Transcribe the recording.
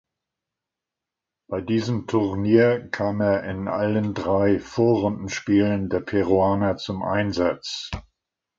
Bei diesem Turnier kam er in allen drei Vorrundenspielen der Peruaner zum Einsatz.